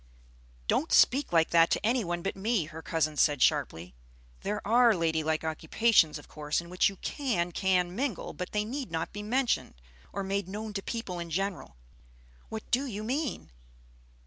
"Don't speak like that to any one but me," her cousin said sharply. "There are lady like occupations, of course, in which you can can mingle; but they need not be mentioned, or made known to people in general." "What do you mean?"